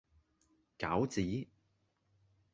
餃子